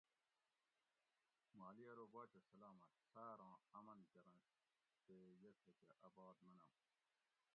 مالی ارو باچہ سلامت ساۤراں امن کرنش تی یہ تھکہ اۤ بات منم